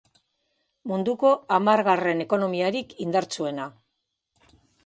Munduko hamargarren ekonomiarik indartsuena.